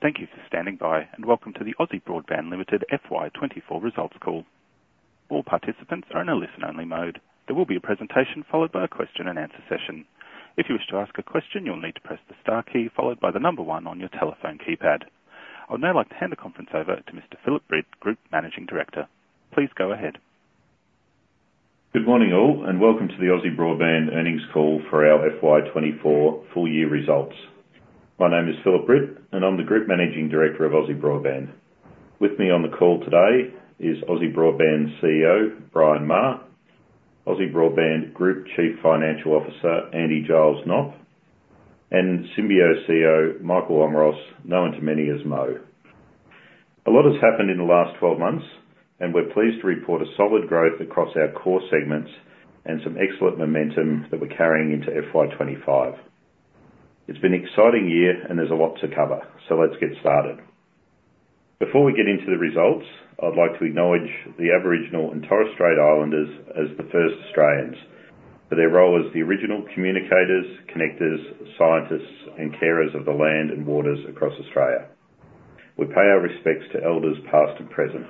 Thank you for standing by, and welcome to the Aussie Broadband Limited FY 2024 Results Call. All participants are in a listen-only mode. There will be a presentation followed by a question and answer session. If you wish to ask a question, you'll need to press the star key followed by the number one on your telephone keypad. I would now like to hand the conference over to Mr. Phillip Britt, Group Managing Director. Please go ahead. Good morning, all, and welcome to the Aussie Broadband earnings call for our FY 2024 full year results. My name is Philip Britt, and I'm the Group Managing Director of Aussie Broadband. With me on the call today is Aussie Broadband's CEO, Brian Maher; Aussie Broadband Group Chief Financial Officer, Andy Giles Knopp; and Symbio CEO, Michael Omeros, known to many as Mo. A lot has happened in the last 12 months, and we're pleased to report a solid growth across our core segments and some excellent momentum that we're carrying into FY 2025. It's been an exciting year, and there's a lot to cover, so let's get started. Before we get into the results, I'd like to acknowledge the Aboriginal and Torres Strait Islanders as the first Australians for their role as the original communicators, connectors, scientists, and carers of the land and waters across Australia. We pay our respects to elders, past and present.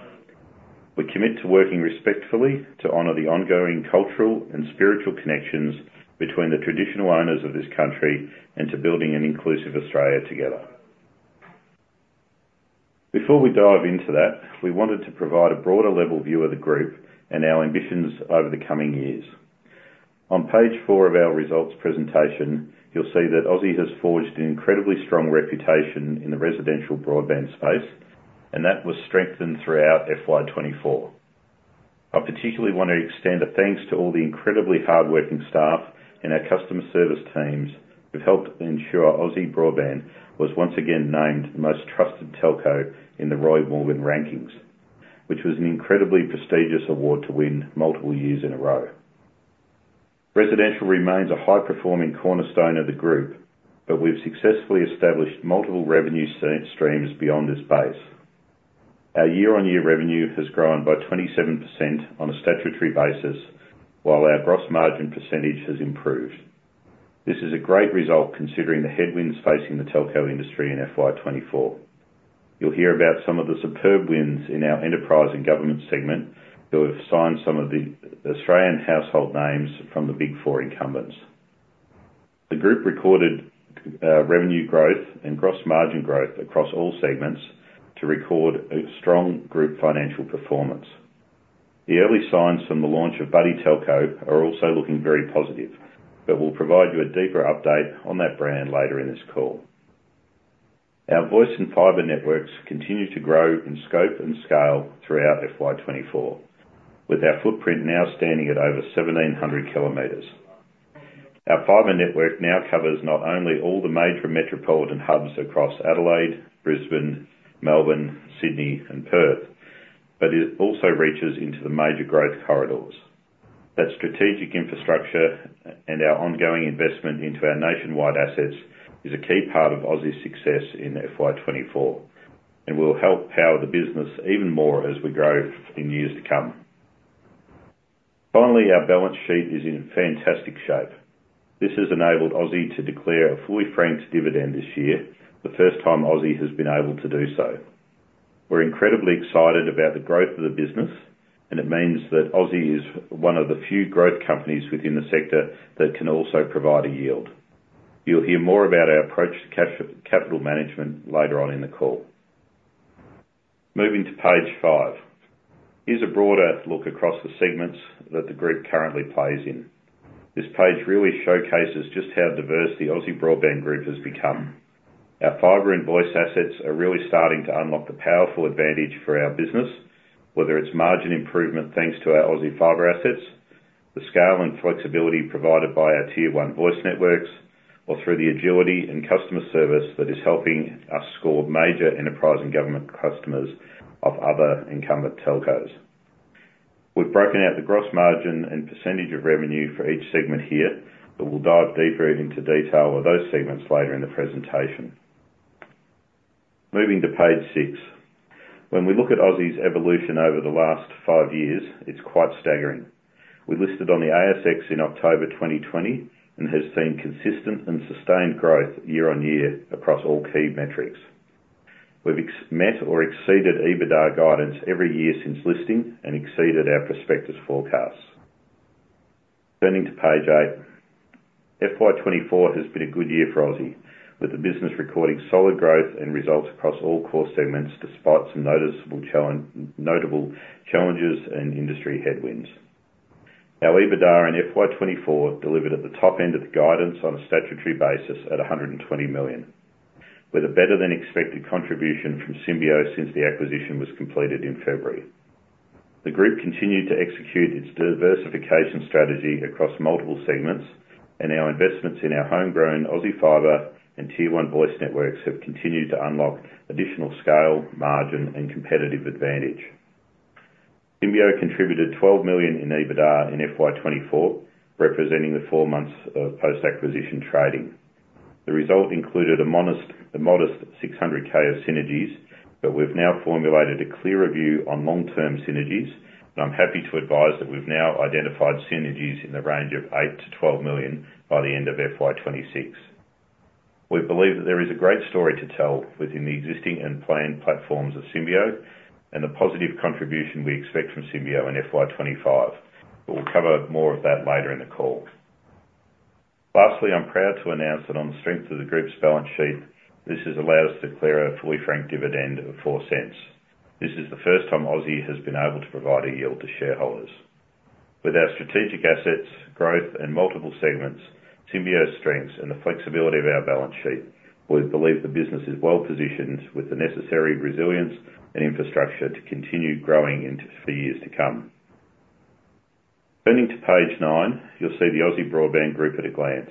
We commit to working respectfully to honor the ongoing cultural and spiritual connections between the traditional owners of this country and to building an inclusive Australia together. Before we dive into that, we wanted to provide a broader level view of the group and our ambitions over the coming years. On page four of our results presentation, you'll see that Aussie has forged an incredibly strong reputation in the residential broadband space, and that was strengthened throughout FY 2024. I particularly want to extend a thanks to all the incredibly hardworking staff and our customer service teams who've helped ensure Aussie Broadband was once again named Most Trusted Telco in the Roy Morgan rankings, which was an incredibly prestigious award to win multiple years in a row. Residential remains a high-performing cornerstone of the group, but we've successfully established multiple revenue streams beyond this base. Our year-on-year revenue has grown by 27% on a statutory basis, while our gross margin percentage has improved. This is a great result considering the headwinds facing the telco industry in FY 2024. You'll hear about some of the superb wins in our enterprise and government segment, who have signed some of the Australian household names from the Big Four incumbents. The group recorded revenue growth and gross margin growth across all segments to record a strong group financial performance. The early signs from the launch of Buddy Telco are also looking very positive, but we'll provide you a deeper update on that brand later in this call. Our voice and fiber networks continued to grow in scope and scale throughout FY 2024, with our footprint now standing at over 1,700 kilometers. Our fiber network now covers not only all the major metropolitan hubs across Adelaide, Brisbane, Melbourne, Sydney, and Perth, but it also reaches into the major growth corridors. That strategic infrastructure and our ongoing investment into our nationwide assets is a key part of Aussie's success in FY 2024, and will help power the business even more as we grow in years to come. Finally, our balance sheet is in fantastic shape. This has enabled Aussie to declare a fully franked dividend this year, the first time Aussie has been able to do so. We're incredibly excited about the growth of the business, and it means that Aussie is one of the few growth companies within the sector that can also provide a yield. You'll hear more about our approach to cash capital management later on in the call. Moving to page five, here's a broader look across the segments that the group currently plays in. This page really showcases just how diverse the Aussie Broadband Group has become. Our fiber and voice assets are really starting to unlock the powerful advantage for our business, whether it's margin improvement, thanks to our Aussie Fibre assets, the scale and flexibility provided by our Tier 1 voice networks, or through the agility and customer service that is helping us score major enterprise and government customers of other incumbent telcos. We've broken out the gross margin and percentage of revenue for each segment here, but we'll dive deeper into detail of those segments later in the presentation. Moving to page six. When we look at Aussie's evolution over the last five years, it's quite staggering. We listed on the ASX in October 2020, and have seen consistent and sustained growth year-on-year across all key metrics. We've met or exceeded EBITDA guidance every year since listing and exceeded our prospectus forecasts. Turning to page eight, FY 2024 has been a good year for Aussie, with the business recording solid growth and results across all core segments, despite some notable challenges and industry headwinds. Our EBITDA in FY 2024 delivered at the top end of the guidance on a statutory basis at 120 million, with a better-than-expected contribution from Symbio since the acquisition was completed in February. The group continued to execute its diversification strategy across multiple segments, and our investments in our homegrown Aussie Fibre and Tier 1 voice networks have continued to unlock additional scale, margin, and competitive advantage. Symbio contributed 12 million in EBITDA in FY 2024, representing the four months of post-acquisition trading. The result included a modest 600K of synergies, but we've now formulated a clearer view on long-term synergies, and I'm happy to advise that we've now identified synergies in the range of 8-12 million by the end of FY 2026. We believe that there is a great story to tell within the existing and planned platforms of Symbio, and the positive contribution we expect from Symbio in FY 2025. But we'll cover more of that later in the call. Lastly, I'm proud to announce that on the strength of the group's balance sheet, this has allowed us to declare a fully franked dividend of 0.04. This is the first time Aussie has been able to provide a yield to shareholders. With our strategic assets, growth, and multiple segments, Symbio's strengths, and the flexibility of our balance sheet, we believe the business is well-positioned with the necessary resilience and infrastructure to continue growing into - for years to come. Turning to page nine, you'll see the Aussie Broadband Group at a glance.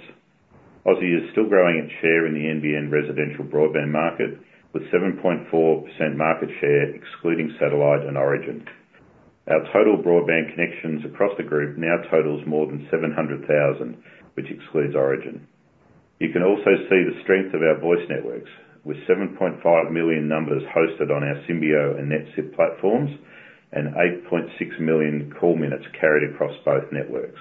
Aussie is still growing its share in the NBN residential broadband market, with 7.4% market share, excluding Satellite and Origin. Our total broadband connections across the group now totals more than 700,000, which excludes Origin. You can also see the strength of our voice networks, with 7.5 million numbers hosted on our Symbio and NetSIP platforms, and 8.6 million call minutes carried across both networks.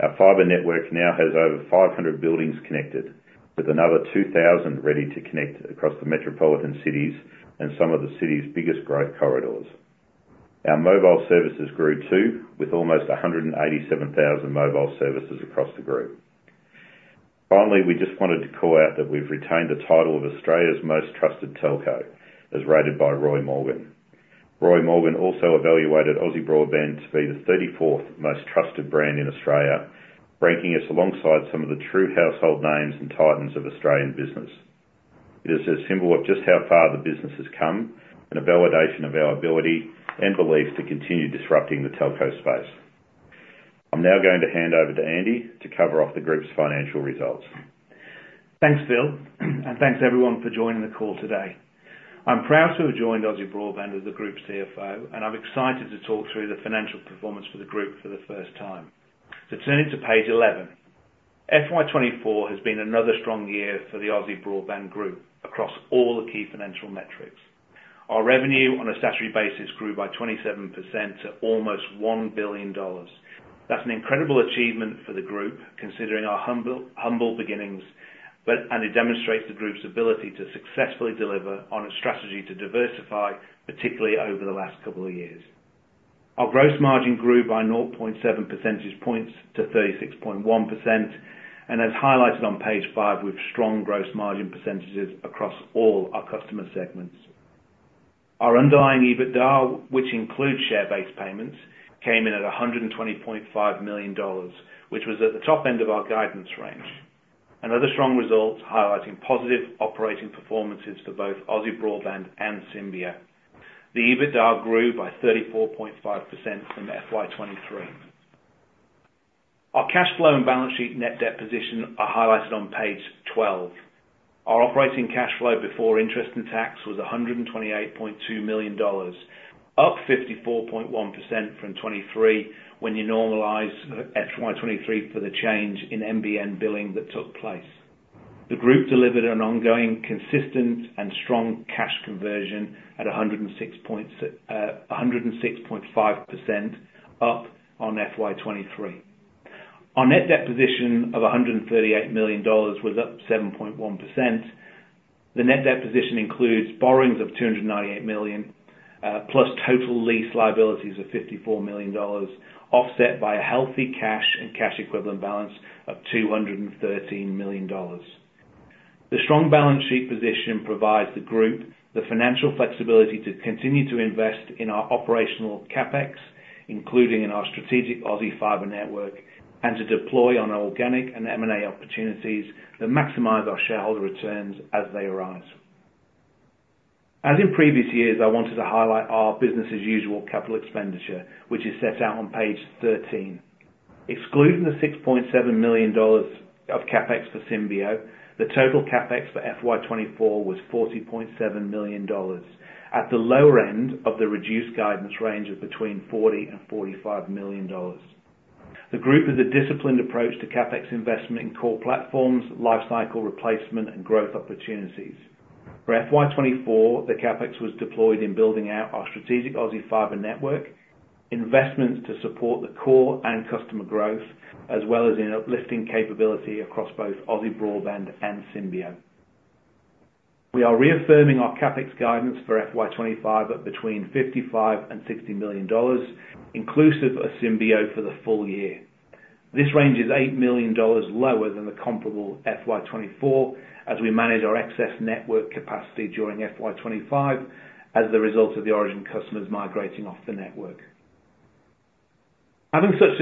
Our fiber network now has over five hundred buildings connected, with another two thousand ready to connect across the metropolitan cities and some of the city's biggest growth corridors. Our mobile services grew, too, with almost a hundred and eighty-seven thousand mobile services across the group. Finally, we just wanted to call out that we've retained the title of Australia's Most Trusted Telco, as rated by Roy Morgan. Roy Morgan also evaluated Aussie Broadband to be the thirty-fourth most trusted brand in Australia, ranking us alongside some of the true household names and titans of Australian business. It is a symbol of just how far the business has come, and a validation of our ability and beliefs to continue disrupting the telco space. I'm now going to hand over to Andy, to cover off the group's financial results. Thanks, Phil, and thanks, everyone, for joining the call today. I'm proud to have joined Aussie Broadband as the group's CFO, and I'm excited to talk through the financial performance for the group for the first time. So turning to page 11. FY 2024 has been another strong year for the Aussie Broadband group across all the key financial metrics. Our revenue on a statutory basis grew by 27% to almost 1 billion dollars. That's an incredible achievement for the group, considering our humble, humble beginnings, but and it demonstrates the group's ability to successfully deliver on a strategy to diversify, particularly over the last couple of years. Our gross margin grew by nought point seven percentage points to 36.1%, and as highlighted on page five, with strong gross margin percentages across all our customer segments. Our underlying EBITDA, which includes share-based payments, came in at 120.5 million dollars, which was at the top end of our guidance range. Another strong result, highlighting positive operating performances for both Aussie Broadband and Symbio. The EBITDA grew by 34.5% from FY 2023. Our cash flow and balance sheet net debt position are highlighted on page 12. Our operating cash flow before interest and tax was 128.2 million dollars, up 54.1% from 2023, when you normalize FY 2023 for the change in NBN billing that took place. The group delivered an ongoing, consistent and strong cash conversion at 106.5% up on FY 2023. Our net debt position of 138 million dollars was up 7.1%. The net debt position includes borrowings of 298 million plus total lease liabilities of 54 million dollars, offset by a healthy cash and cash equivalent balance of 213 million dollars. The strong balance sheet position provides the group the financial flexibility to continue to invest in our operational CapEx, including in our strategic Aussie Fibre network, and to deploy on organic and M&A opportunities that maximize our shareholder returns as they arise. As in previous years, I wanted to highlight our business-as-usual capital expenditure, which is set out on page 13. Excluding the 6.7 million dollars of CapEx for Symbio, the total CapEx for FY 2024 was 40.7 million dollars, at the lower end of the reduced guidance range of between 40 million and 45 million dollars. The group has a disciplined approach to CapEx investment in core platforms, lifecycle replacement, and growth opportunities. For FY 2024, the CapEx was deployed in building out our strategic Aussie Fibre network, investments to support the core and customer growth, as well as in uplifting capability across both Aussie Broadband and Symbio. We are reaffirming our CapEx guidance for FY 2025 at between 55 million and 60 million dollars, inclusive of Symbio for the full year. This range is 8 million dollars lower than the comparable FY 2024, as we manage our excess network capacity during FY 2025, as a result of the Origin customers migrating off the network. Having such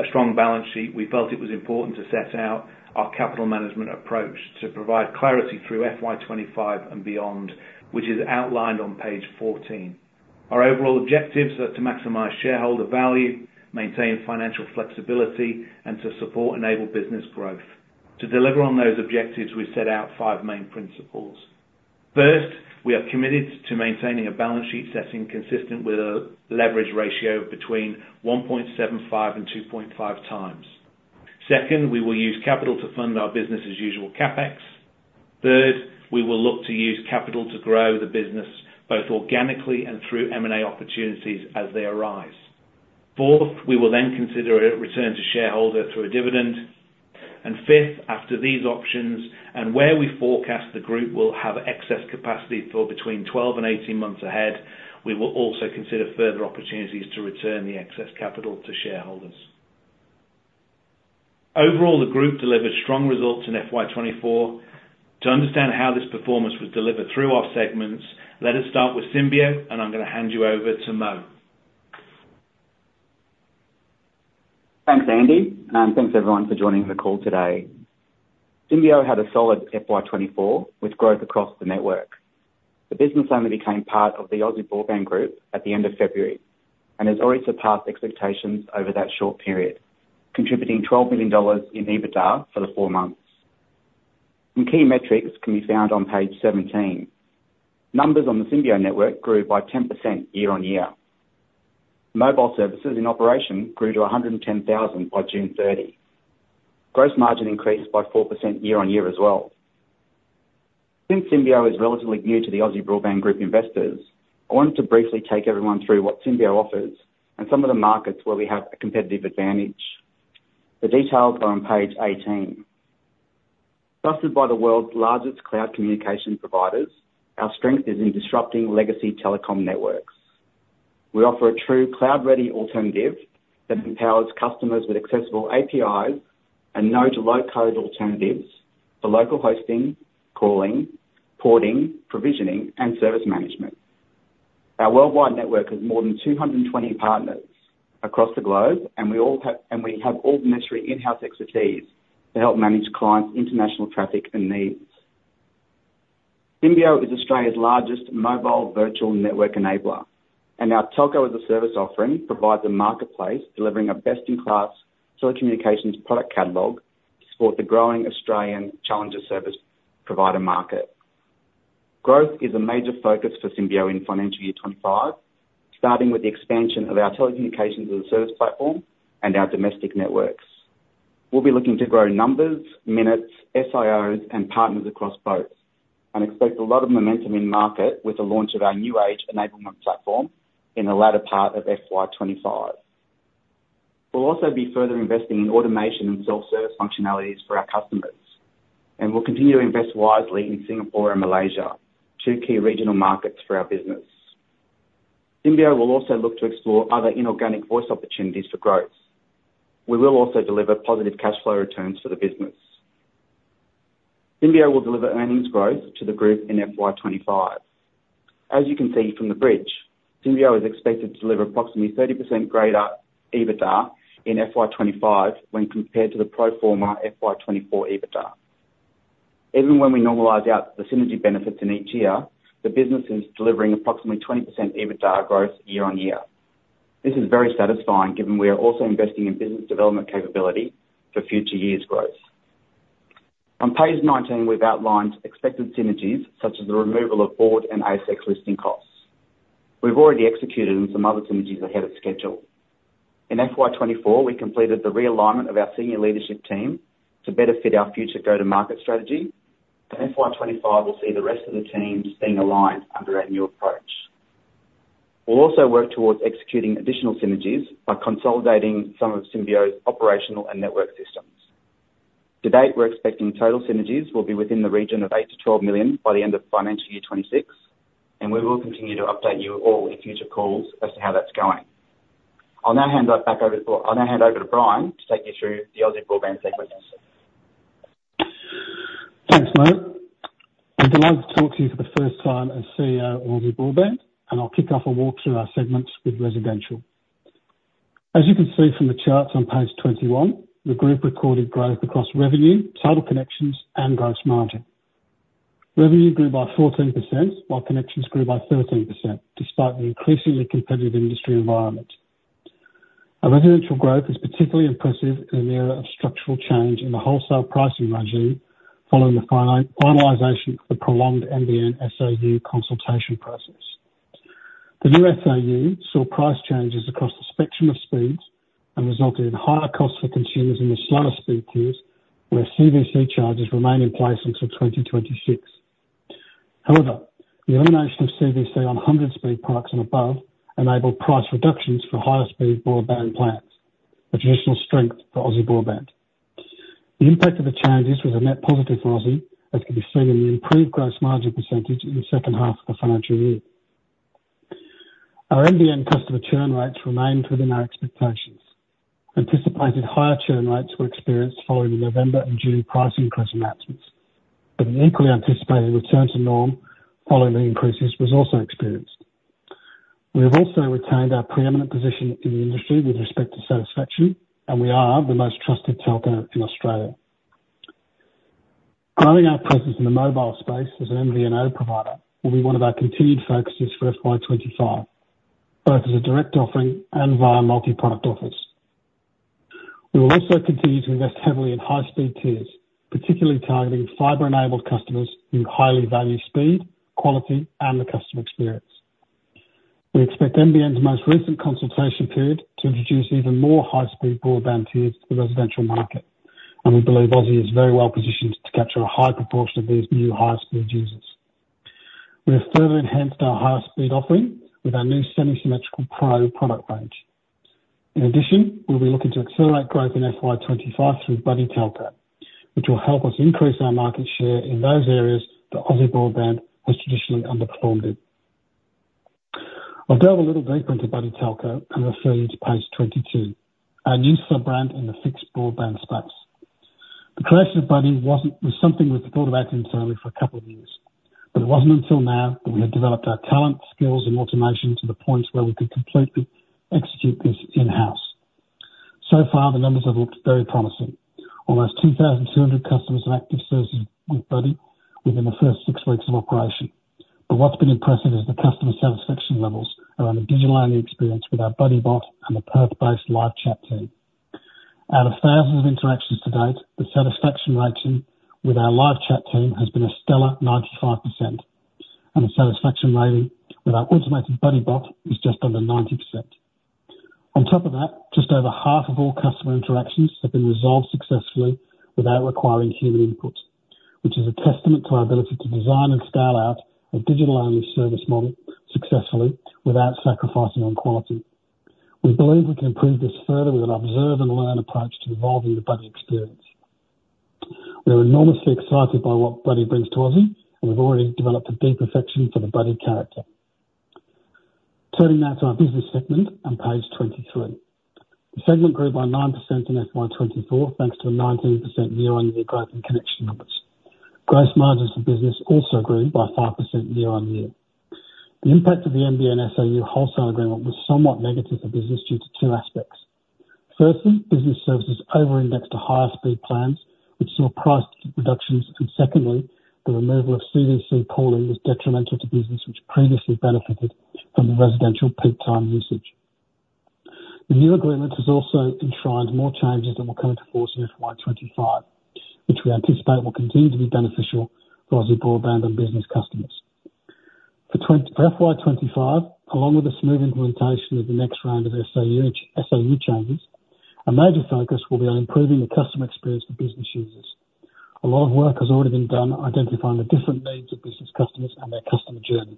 a strong balance sheet, we felt it was important to set out our capital management approach to provide clarity through FY 2025 and beyond, which is outlined on page 14. Our overall objectives are to maximize shareholder value, maintain financial flexibility, and to support and enable business growth. To deliver on those objectives, we set out five main principles: First, we are committed to maintaining a balance sheet setting consistent with a leverage ratio of between 1.75 and 2.5 times. Second, we will use capital to fund our business-as-usual CapEx.... Third, we will look to use capital to grow the business, both organically and through M&A opportunities as they arise. Fourth, we will then consider a return to shareholders through a dividend. And fifth, after these options, and where we forecast the group will have excess capacity for between 12 and 18 months ahead, we will also consider further opportunities to return the excess capital to shareholders. Overall, the group delivered strong results in FY 2024. To understand how this performance was delivered through our segments, let us start with Symbio, and I'm gonna hand you over to Mo. Thanks, Andy, and thanks everyone for joining the call today. Symbio had a solid FY 2024, with growth across the network. The business only became part of the Aussie Broadband group at the end of February, and has already surpassed expectations over that short period, contributing 12 million dollars in EBITDA for the four months. Some key metrics can be found on page 17. Numbers on the Symbio network grew by 10% year-on-year. Mobile services in operation grew to 110,000 by June 30. Gross margin increased by 4% year-on-year as well. Since Symbio is relatively new to the Aussie Broadband group investors, I wanted to briefly take everyone through what Symbio offers and some of the markets where we have a competitive advantage. The details are on page 18. Trusted by the world's largest cloud communication providers, our strength is in disrupting legacy telecom networks. We offer a true cloud-ready alternative that empowers customers with accessible APIs and no to low-code alternatives for local hosting, calling, porting, provisioning, and service management. Our worldwide network has more than 220 partners across the globe, and we have all the necessary in-house expertise to help manage clients' international traffic and needs. Symbio is Australia's largest mobile virtual network enabler, and our Telco as a Service offering provides a marketplace delivering a best-in-class telecommunications product catalog to support the growing Australian challenger service provider market. Growth is a major focus for Symbio in financial year 2025, starting with the expansion of our Telecommunications as a Service platform and our domestic networks. We'll be looking to grow numbers, minutes, SIOs, and partners across both, and expect a lot of momentum in market with the launch of our new age enablement platform in the latter part of FY 25. We'll also be further investing in automation and self-service functionalities for our customers, and we'll continue to invest wisely in Singapore and Malaysia, two key regional markets for our business. Symbio will also look to explore other inorganic voice opportunities for growth. We will also deliver positive cash flow returns for the business. Symbio will deliver earnings growth to the group in FY 2025. As you can see from the bridge, Symbio is expected to deliver approximately 30% greater EBITDA in FY 2025 when compared to the pro forma FY 2024 EBITDA. Even when we normalize out the synergy benefits in each year, the business is delivering approximately 20% EBITDA growth year-on-year. This is very satisfying, given we are also investing in business development capability for future years' growth. On page 19, we've outlined expected synergies, such as the removal of board and ASX listing costs. We've already executed on some other synergies ahead of schedule. In FY 2024, we completed the realignment of our senior leadership team to better fit our future go-to-market strategy, and FY 2025 will see the rest of the team being aligned under our new approach. We'll also work towards executing additional synergies by consolidating some of Symbio's operational and network systems. To date, we're expecting total synergies will be within the region of 8 million-12 million by the end of financial year 2026, and we will continue to update you all in future calls as to how that's going. I'll now hand over to Brian to take you through the Aussie Broadband segment. Thanks, Mo. I'm delighted to talk to you for the first time as CEO of Aussie Broadband, and I'll kick off a walk through our segments with residential. As you can see from the charts on page 21, the group recorded growth across revenue, total connections, and gross margin. Revenue grew by 14%, while connections grew by 13%, despite the increasingly competitive industry environment. Our residential growth is particularly impressive in an era of structural change in the wholesale pricing regime, following the finalization of the prolonged NBN SAU consultation process. The new SAU saw price changes across the spectrum of speeds and resulted in higher costs for consumers in the slower speed tiers, where CVC charges remain in place until 2026. However, the elimination of CVC on 100-speed products and above enabled price reductions for higher speed broadband plans, a traditional strength for Aussie Broadband. The impact of the changes was a net positive for Aussie, as can be seen in the improved gross margin percentage in the second half of the financial year. Our NBN customer churn rates remained within our expectations. Anticipated higher churn rates were experienced following the November and June price increase announcements, but an equally anticipated return to norm following the increases was also experienced. We have also retained our preeminent position in the industry with respect to satisfaction, and we are the most trusted telco in Australia. Growing our presence in the mobile space as an MVNO provider will be one of our continued focuses for FY 2025, both as a direct offering and via multi-product offers. We will also continue to invest heavily in high-speed tiers, particularly targeting fiber-enabled customers who highly value speed, quality, and the customer experience. We expect NBN's most recent consultation period to introduce even more high-speed broadband tiers to the residential market, and we believe Aussie is very well positioned to capture a high proportion of these new high-speed users. We have further enhanced our higher speed offering with our new semisymmetrical Pro product range. In addition, we'll be looking to accelerate growth in FY 2025 through Buddy Telco, which will help us increase our market share in those areas that Aussie Broadband has traditionally underperformed in. I'll delve a little deeper into Buddy Telco and refer you to page 22, our new sub-brand in the fixed broadband space. The creation of Buddy was something we've thought about internally for a couple of years, but it wasn't until now that we had developed our talent, skills, and automation to the point where we could completely execute this in-house. So far, the numbers have looked very promising. Almost 2,200 customers on active services with Buddy within the first six weeks of operation. But what's been impressive is the customer satisfaction levels around the digital-only experience with our Buddy bot and the Perth-based live chat team. Out of thousands of interactions to date, the satisfaction rating with our live chat team has been a stellar 95%, and the satisfaction rating with our automated Buddy bot is just under 90%. On top of that, just over half of all customer interactions have been resolved successfully without requiring human input, which is a testament to our ability to design and scale out a digital-only service model successfully without sacrificing on quality. We believe we can improve this further with an observe and learn approach to evolving the Buddy experience. We are enormously excited by what Buddy brings to Aussie, and we've already developed a deep affection for the Buddy character. Turning now to our business segment on page 23. The segment grew by 9% in FY 2024, thanks to a 19% year-on-year growth in connection numbers. Gross margins for business also grew by 5% year-on-year. The impact of the NBN SAU wholesale agreement was somewhat negative for business due to two aspects. Firstly, business services over-indexed to higher speed plans, which saw price reductions, and secondly, the removal of CVC pooling was detrimental to business, which previously benefited from the residential peak time usage. The new agreement has also enshrined more changes that will come into force in FY 2025, which we anticipate will continue to be beneficial for Aussie Broadband and business customers. For FY 2025, along with the smooth implementation of the next round of SAU changes, a major focus will be on improving the customer experience for business users. A lot of work has already been done identifying the different needs of business customers and their customer journey,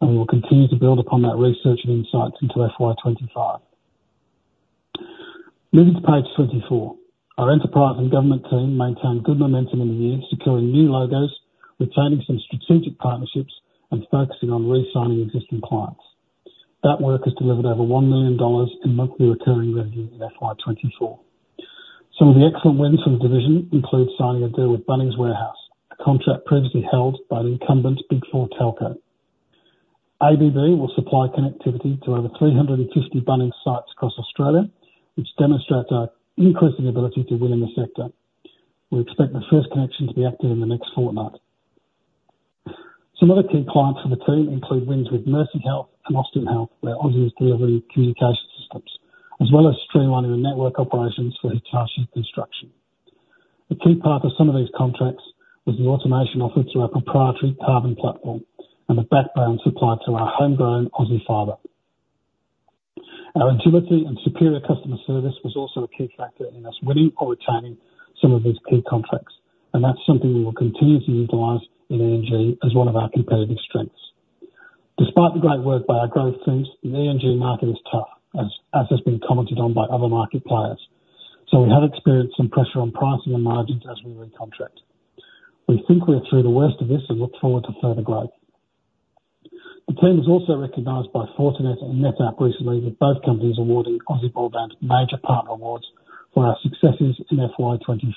and we will continue to build upon that research and insights into FY 2025. Moving to page 24. Our enterprise and government team maintained good momentum in the year, securing new logos, retaining some strategic partnerships, and focusing on re-signing existing clients. That work has delivered over 1 million dollars in monthly recurring revenue in FY 2024. Some of the excellent wins for the division include signing a deal with Bunnings Warehouse, a contract previously held by the incumbent Big Four telco. ABB will supply connectivity to over 350 Bunnings sites across Australia, which demonstrate our increasing ability to win in the sector. We expect the first connection to be active in the next fortnight. Some other key clients for the team include wins with Mercy Health and Austin Health, where Aussie is delivering communication systems, as well as streamlining the network operations for Hitachi Construction Machinery. The key part of some of these contracts was the automation offered through our proprietary Carbon platform and the backbone supplied to our homegrown Aussie Fibre. Our agility and superior customer service was also a key factor in us winning or retaining some of these key contracts, and that's something we will continue to utilize in E&G as one of our competitive strengths. Despite the great work by our growth teams, the E&G market is tough, as has been commented on by other market players. So we have experienced some pressure on pricing and margins as we recontract. We think we are through the worst of this and look forward to further growth. The team was also recognized by Fortinet and NetApp recently, with both companies awarding Aussie Broadband major partner awards for our successes in FY 2024.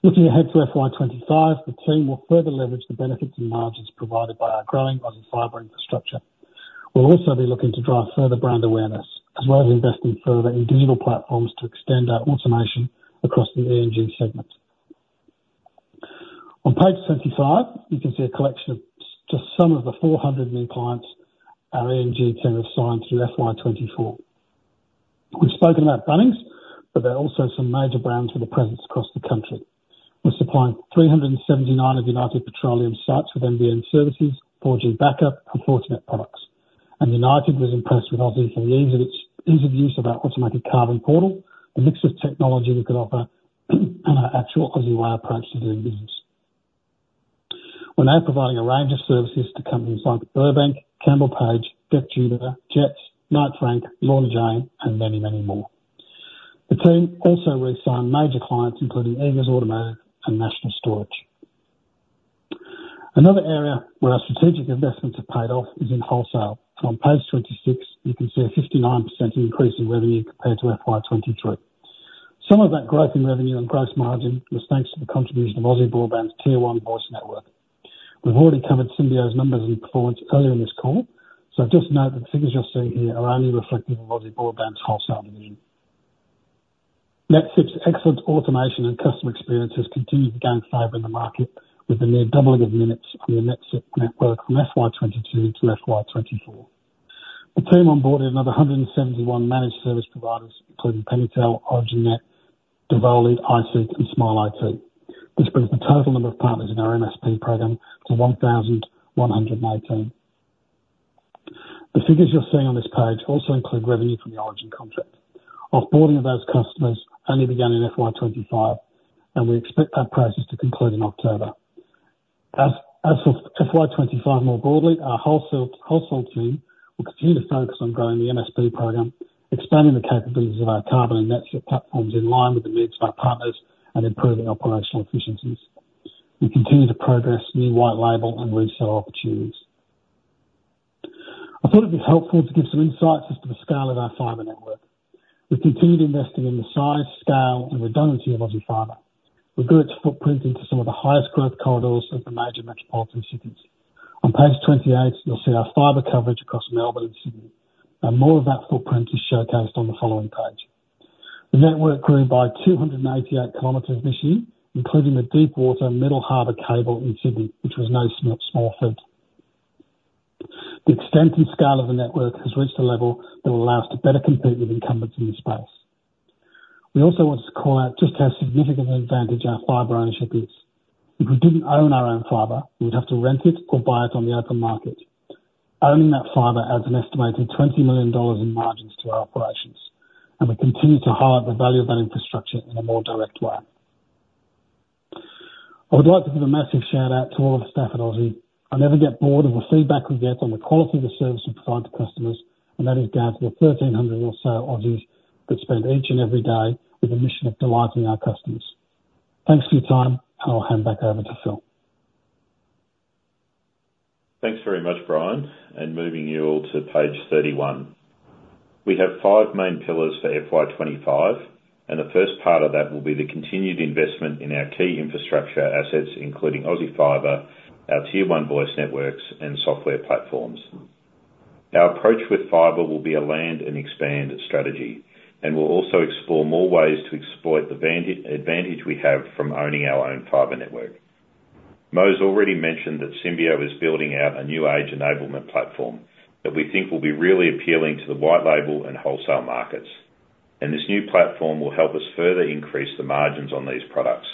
Looking ahead to FY 2025, the team will further leverage the benefits and margins provided by our growing Aussie Fibre infrastructure. We'll also be looking to drive further brand awareness, as well as investing further in digital platforms to extend our automation across the E&G segment. On page 25, you can see a collection of just some of the 400 new clients our E&G team have signed through FY 2024. We've spoken about Bunnings, but there are also some major brands with a presence across the country. We're supplying 379 of United Petroleum's sites with NBN services, 4G backup, and Fortinet products, and United was impressed with Aussie for the ease of its ease of use of our automated Carbon portal, the mix of technology we could offer, and our actual Aussie Way approach to doing business. We're now providing a range of services to companies like Burbank, Campbell Page, Decjuba, Jetts, Knight Frank, Lorna Jane, and many, many more. The team also re-signed major clients, including Eagers Automotive and National Storage. Another area where our strategic investments have paid off is in wholesale, so on page 26, you can see a 59% increase in revenue compared to FY 2023. Some of that growth in revenue and gross margin was thanks to the contribution of Aussie Broadband's Tier 1 voice network. We've already covered Symbio's numbers and performance earlier in this call, so just note that the figures you're seeing here are only reflective of Aussie Broadband's wholesale revenue. NetSIP's excellent automation and customer experiences continue to gain favor in the market, with a near doubling of units for the NetSIP network from FY 2022 to FY 2024. The team onboarded another 171 managed service providers, including Pennytel, Origin Net, Devoli, ECN, and Smile IT. This brings the total number of partners in our MSP program to 1,118. The figures you're seeing on this page also include revenue from the Origin contract. Offboarding of those customers only began in FY 2025, and we expect that process to conclude in October. As of FY 2025, more broadly, our wholesale team will continue to focus on growing the MSP program, expanding the capabilities of our Carbon and NetSIP platforms in line with the needs of our partners and improving operational efficiencies. We continue to progress new white label and resell opportunities. I thought it'd be helpful to give some insights as to the scale of our fiber network. We've continued investing in the size, scale, and redundancy of Aussie Fibre. We've grew its footprint into some of the highest growth corridors of the major metropolitan cities. On page 28, you'll see our fiber coverage across Melbourne and Sydney, and more of that footprint is showcased on the following page. The network grew by 288 km this year, including the deep water Middle Harbour cable in Sydney, which was no small feat. The extent and scale of the network has reached a level that will allow us to better compete with incumbents in the space. We also want to call out just how significant an advantage our fiber ownership is. If we didn't own our own fiber, we would have to rent it or buy it on the open market. Owning that fiber adds an estimated 20 million dollars in margins to our operations, and we continue to highlight the value of that infrastructure in a more direct way. I would like to give a massive shout-out to all of the staff at Aussie. I never get bored of the feedback we get on the quality of the service we provide to customers, and that is down to the 1,300 or so Aussies that spend each and every day with a mission of delighting our customers. Thanks for your time, and I'll hand back over to Phil. Thanks very much, Brian, and moving you all to page 31. We have five main pillars for FY 2025, and the first part of that will be the continued investment in our key infrastructure assets, including Aussie Fibre, our Tier 1 voice networks, and software platforms. Our approach with fiber will be a land and expand strategy, and we'll also explore more ways to exploit the vantage advantage we have from owning our own fiber network. Mo's already mentioned that Symbio is building out a new-age enablement platform that we think will be really appealing to the white label and wholesale markets, and this new platform will help us further increase the margins on these products.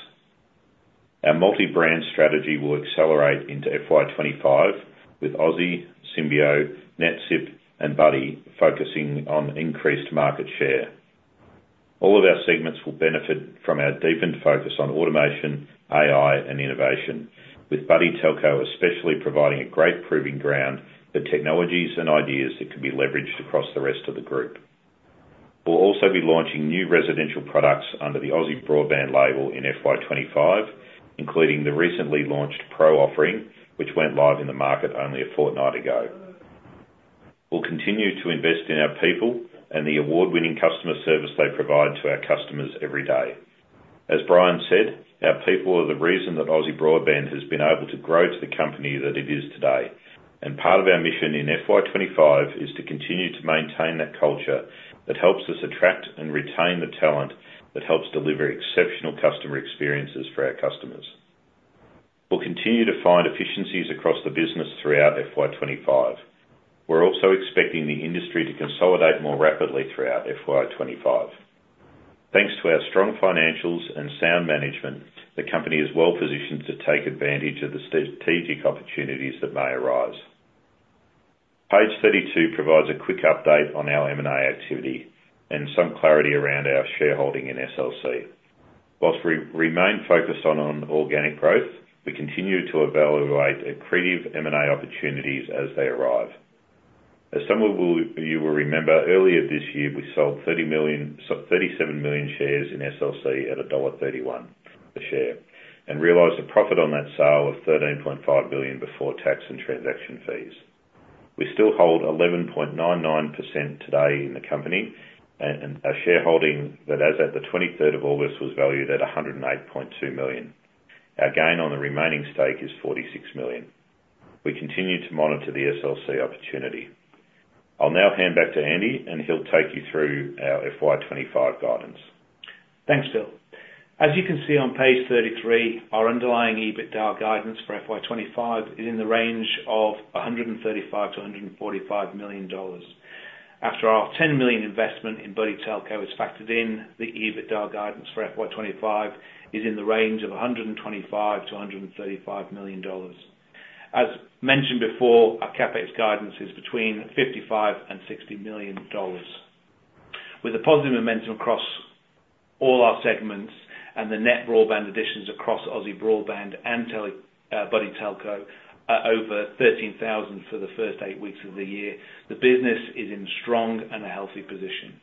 Our multi-brand strategy will accelerate into FY 2025, with Aussie, Symbio, NetSIP, and Buddy focusing on increased market share. All of our segments will benefit from our deepened focus on automation, AI, and innovation, with Buddy Telco, especially providing a great proving ground for technologies and ideas that can be leveraged across the rest of the group. We'll also be launching new residential products under the Aussie Broadband label in FY 2025, including the recently launched Pro offering, which went live in the market only a fortnight ago. We'll continue to invest in our people and the award-winning customer service they provide to our customers every day. As Brian said, our people are the reason that Aussie Broadband has been able to grow to the company that it is today, and part of our mission in FY 2025 is to continue to maintain that culture that helps us attract and retain the talent that helps deliver exceptional customer experiences for our customers. We'll continue to find efficiencies across the business throughout FY 2025. We're also expecting the industry to consolidate more rapidly throughout FY 2025. Thanks to our strong financials and sound management, the company is well positioned to take advantage of the strategic opportunities that may arise. Page 32 provides a quick update on our M&A activity and some clarity around our shareholding in SLC. While we remain focused on organic growth, we continue to evaluate accretive M&A opportunities as they arrive. As some of you will remember, earlier this year, we sold 37 million shares in SLC at $1.31 a share, and realized a profit on that sale of $13.5 million before tax and transaction fees. We still hold 11.99% today in the company, and our shareholding that, as at the 23rd of August, was valued at 108.2 million. Our gain on the remaining stake is 46 million. We continue to monitor the SLC opportunity. I'll now hand back to Andy, and he'll take you through our FY 2025 guidance. Thanks, Phil. As you can see on page 33, our underlying EBITDA guidance for FY 2025 is in the range of 135 million-145 million dollars. After our 10 million investment in Buddy Telco is factored in, the EBITDA guidance for FY 2025 is in the range of 125 million-135 million dollars. As mentioned before, our CapEx guidance is between 55 and 60 million dollars. With the positive momentum across all our segments and the net broadband additions across Aussie Broadband and Buddy Telco over 13,000 for the first 8 weeks of the year, the business is in a strong and healthy position.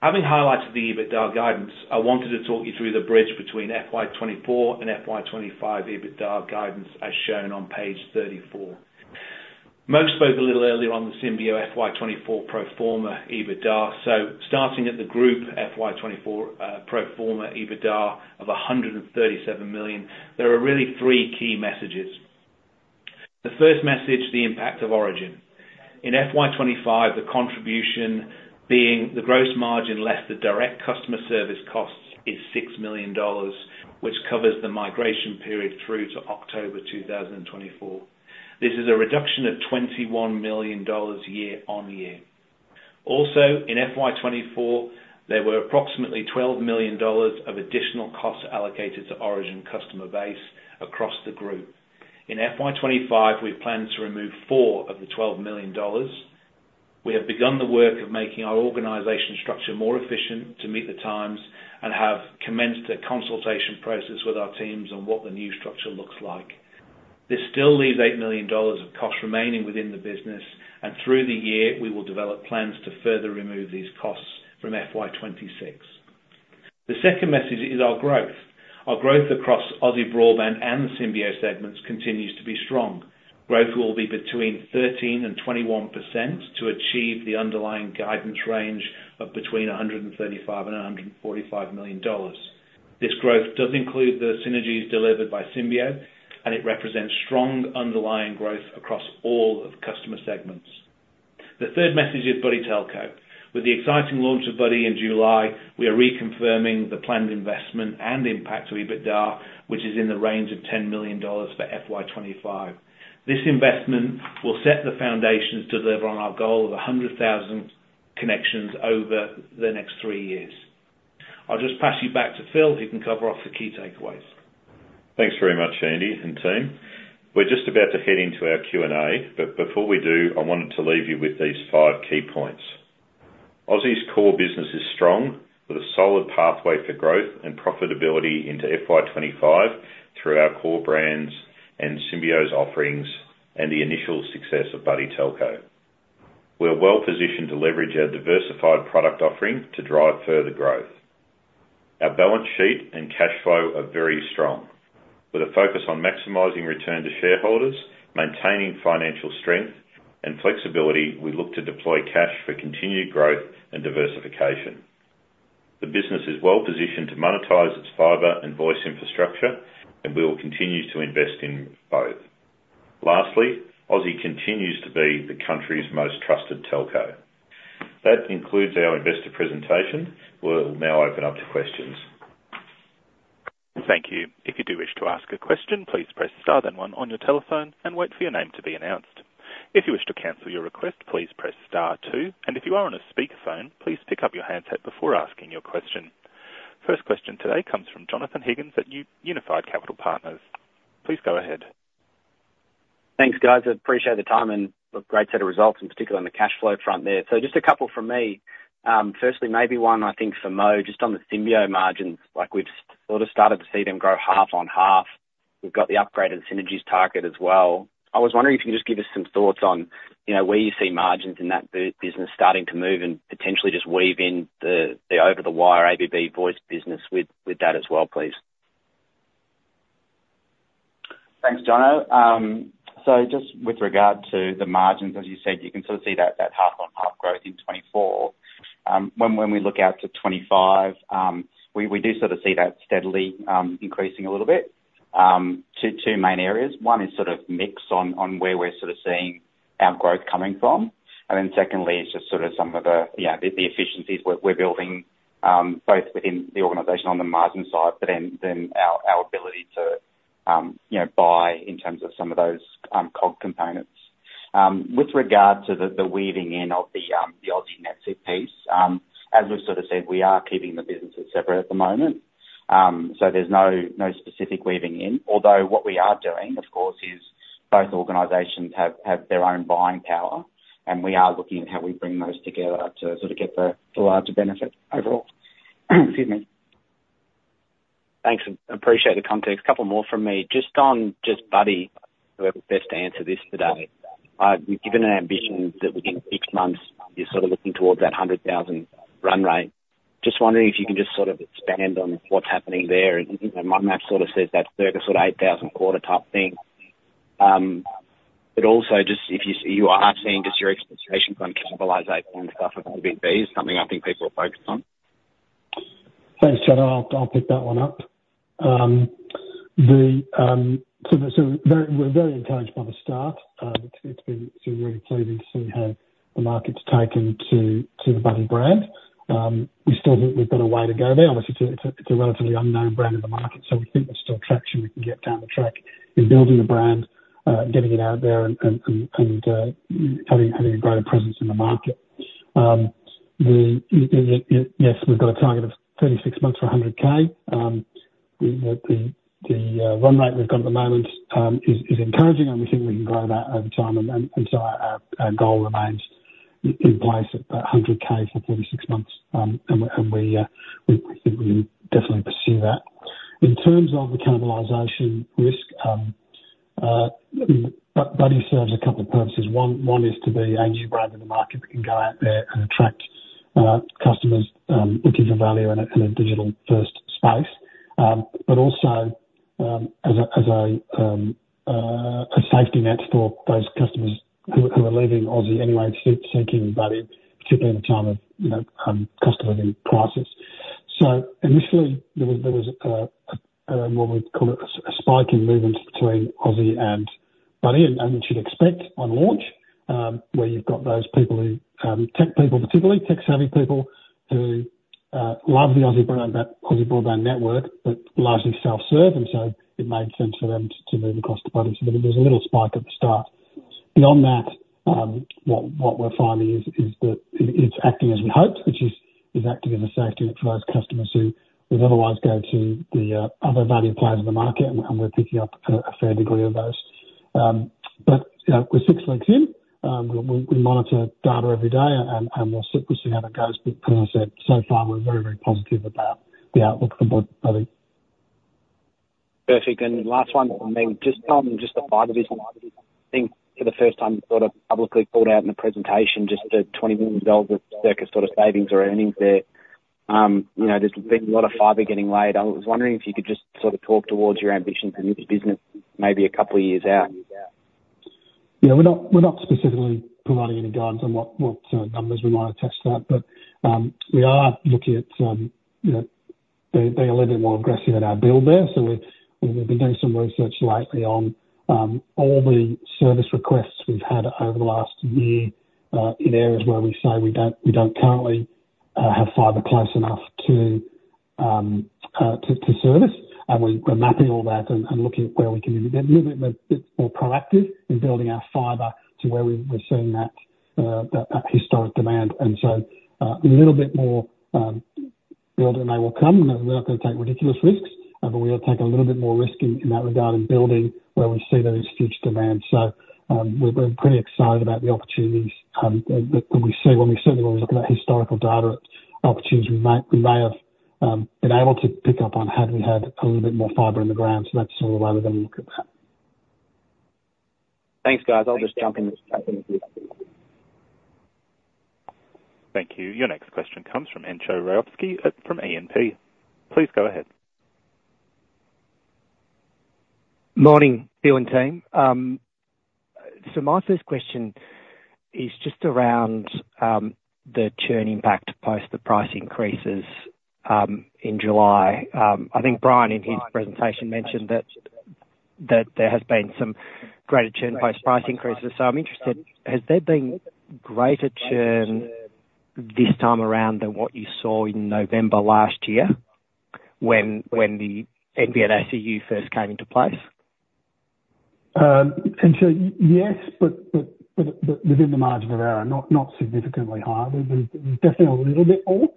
Having highlighted the EBITDA guidance, I wanted to talk you through the bridge between FY 2024 and FY 2025 EBITDA guidance, as shown on page 34. Mo spoke a little earlier on the Symbio FY 2024 pro forma EBITDA. So starting at the group FY 2024 pro forma EBITDA of 137 million, there are really three key messages. The first message, the impact of Origin. In FY 2025, the contribution being the gross margin less the direct customer service costs, is 6 million dollars, which covers the migration period through to October 2024. This is a reduction of 21 million dollars year-on-year. Also, in FY 2024, there were approximately 12 million dollars of additional costs allocated to Origin customer base across the group. In FY 2025, we plan to remove four of the 12 million dollars. We have begun the work of making our organization structure more efficient to meet the times and have commenced a consultation process with our teams on what the new structure looks like. This still leaves 8 million dollars of costs remaining within the business, and through the year, we will develop plans to further remove these costs from FY 2026. The second message is our growth. Our growth across Aussie Broadband and the Symbio segments continues to be strong. Growth will be between 13% and 21% to achieve the underlying guidance range of between 135 million and 145 million dollars. This growth does include the synergies delivered by Symbio, and it represents strong underlying growth across all of the customer segments. The third message is Buddy Telco. With the exciting launch of Buddy in July, we are reconfirming the planned investment and impact to EBITDA, which is in the range of 10 million dollars for FY 2025. This investment will set the foundations to deliver on our goal of a hundred thousand connections over the next three years. I'll just pass you back to Phil, who can cover off the key takeaways. Thanks very much, Andy and team. We're just about to head into our Q&A, but before we do, I wanted to leave you with these five key points. Aussie's core business is strong, with a solid pathway for growth and profitability into FY 2025 through our core brands and Symbio's offerings, and the initial success of Buddy Telco. We are well positioned to leverage our diversified product offering to drive further growth. Our balance sheet and cash flow are very strong. With a focus on maximizing return to shareholders, maintaining financial strength and flexibility, we look to deploy cash for continued growth and diversification. The business is well positioned to monetize its fiber and voice infrastructure, and we will continue to invest in both. Lastly, Aussie continues to be the country's most trusted telco. That concludes our investor presentation. We'll now open up to questions. Thank you. If you do wish to ask a question, please press star then one on your telephone and wait for your name to be announced. If you wish to cancel your request, please press star two, and if you are on a speakerphone, please pick up your handset before asking your question. First question today comes from Jonathon Higgins at Unified Capital Partners. Please go ahead. Thanks, guys. I appreciate the time and a great set of results, in particular on the cash flow front there. So just a couple from me. Firstly, maybe one, I think, for Mo, just on the Symbio margins. Like, we've sort of started to see them grow half on half. We've got the upgraded synergies target as well. I was wondering if you can just give us some thoughts on, you know, where you see margins in that business starting to move, and potentially just weave in the, the Over the Wire ABB voice business with, with that as well, please. Thanks, Johno. So just with regard to the margins, as you said, you can sort of see that half-on-half growth in 2024. When we look out to 2025, we do sort of see that steadily increasing a little bit. Two main areas. One is sort of mix on where we're sort of seeing our growth coming from. And then secondly, is just sort of some of the, you know, the efficiencies we're building both within the organization on the margin side, but then our ability to, you know, buy in terms of some of those COGS components. With regard to the weaving in of the Aussie NetSIP piece, as we've sort of said, we are keeping the businesses separate at the moment. So there's no specific weaving in. Although, what we are doing, of course, is both organizations have their own buying power, and we are looking at how we bring those together to sort of get the larger benefit overall. Excuse me. Thanks, and appreciate the context. A couple more from me. Just on, just Buddy, whoever's best to answer this today. You've given an ambition that within six months, you're sort of looking towards that 100,000 run rate. Just wondering if you can just sort of expand on what's happening there, and my math sort of says that's sort of 8,000 a quarter type thing. But also just if you are seeing, just your expectations on cannibalization and stuff with ABB is something I think people are focused on. Thanks, Johno. I'll pick that one up. We're very encouraged by the start. It's been really pleasing to see how the market's taken to the Buddy brand. We still think we've got a way to go there. Obviously, it's a relatively unknown brand in the market, so we think there's still traction we can get down the track in building the brand, getting it out there and having a greater presence in the market. Yes, we've got a target of 36 months for 100K. The run rate we've got at the moment is encouraging, and we think we can grow that over time. Our goal remains in place at 100,000 for 36 months. We definitely pursue that. In terms of the cannibalization risk, Buddy serves a couple of purposes. One is to be a new brand in the market that can go out there and attract customers who give you value in a digital-first space. But also as a safety net for those customers who are leaving Aussie anyway seeking value, particularly in a time of, you know, customer need crisis. So initially, there was a spike in movement between Aussie and Buddy, and you'd expect on launch, where you've got those people who tech people, particularly tech-savvy people, who love the Aussie Broadband, that Aussie Broadband network, but largely self-serve, and so it made sense for them to move across to Buddy. So there was a little spike at the start. Beyond that, what we're finding is that it's acting as we hoped, which is acting as a safety net for those customers who would otherwise go to the other value players in the market, and we're picking up a fair degree of those. But, you know, we're six weeks in. We monitor data every day and we'll see how that goes. But as I said, so far, we're very, very positive about the outlook for Buddy. Perfect. And last one from me. Just on the fiber business, I think for the first time, you sort of publicly called out in the presentation just the 20 million dollars of CVC sort of savings or earnings there. You know, there's been a lot of fiber getting laid. I was wondering if you could just sort of talk towards your ambitions in this business, maybe a couple of years out? Yeah, we're not specifically providing any guidance on what numbers we might attach to that. But we are looking at, you know, being a little bit more aggressive in our build there. So we've been doing some research lately on all the service requests we've had over the last year in areas where we say we don't currently have fiber close enough to service. And we're mapping all that and looking at where we can be a little bit more proactive in building our fiber to where we've seen that historic demand. And so, a little bit more build than may well come. We're not going to take ridiculous risks, but we'll take a little bit more risk in that regard, in building where we see there is future demand. So, we're pretty excited about the opportunities that when we see, when we certainly when we look at that historical data, opportunities we may have been able to pick up on had we had a little bit more fiber in the ground. So that's sort of the way we're going to look at that. Thanks, guys. I'll just jump in. Thank you. Your next question comes from Entcho Raykovski from E&P. Please go ahead. Morning, Bill and team. So my first question is just around the churn impact post the price increases in July. I think Brian, in his presentation, mentioned that there has been some greater churn post price increases. So I'm interested. Has there been greater churn this time around than what you saw in November last year when the NBN AVC first came into place? And so yes, but within the margin of error, not significantly higher. There's definitely a little bit more,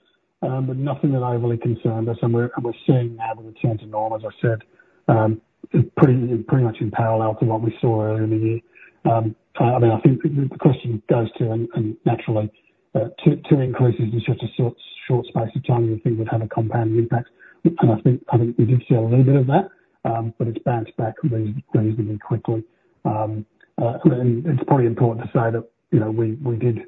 but nothing that overly concerned us. And we're seeing now a return to normal, as I said, pretty much in parallel to what we saw earlier in the year. I mean, I think the question goes to, and naturally, two increases in such a short space of time, you think would have a compounding impact. And I think we did see a little bit of that, but it's bounced back really quickly. And it's probably important to say that, you know, we did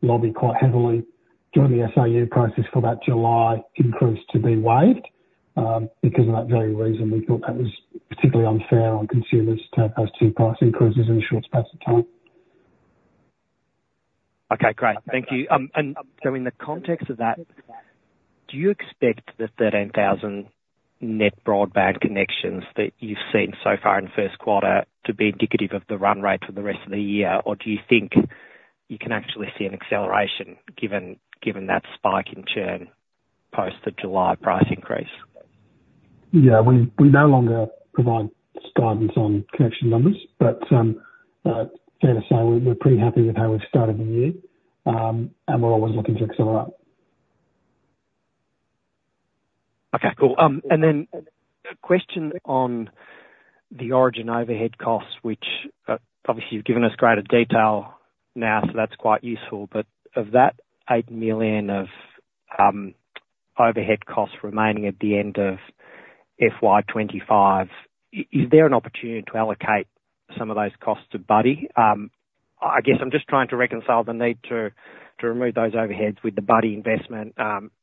lobby quite heavily during the SAU process for that July increase to be waived, because of that very reason. We thought that was particularly unfair on consumers to have those two price increases in a short space of time. Okay, great. Thank you. And so in the context of that, do you expect the 13,000 net broadband connections that you've seen so far in the first quarter to be indicative of the run rate for the rest of the year? Or do you think you can actually see an acceleration given that spike in churn post the July price increase? Yeah, we no longer provide guidance on connection numbers, but fair to say, we're pretty happy with how we've started the year, and we're always looking to accelerate. Okay, cool. And then a question on the Origin overhead costs, which, obviously you've given us greater detail now, so that's quite useful. But of that 8 million of overhead costs remaining at the end of FY 2025, is there an opportunity to allocate some of those costs to Buddy? I guess I'm just trying to reconcile the need to remove those overheads with the Buddy investment.